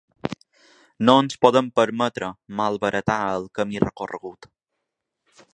No ens podem permetre malbaratar el camí recorregut.